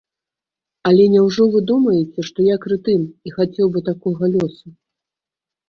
Але няўжо вы думаеце, што я крэтын і хацеў бы такога лёсу?